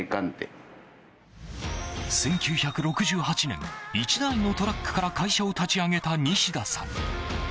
１９６８年１台のトラックから会社を立ち上げた西田さん。